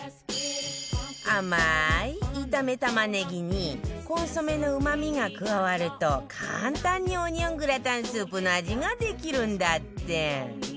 甘い炒めたまねぎにコンソメのうまみが加わると簡単にオニオングラタンスープの味ができるんだって